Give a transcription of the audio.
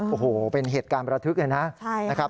โอ้โหเป็นเหตุการณ์ประทึกเลยนะครับ